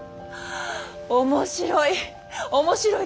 面白い！